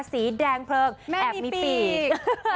สีแดงเพลิงแอบมีปีก